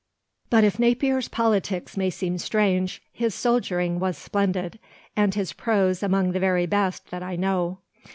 But if Napier's politics may seem strange, his soldiering was splendid, and his prose among the very best that I know.